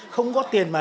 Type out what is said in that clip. không có tiền mà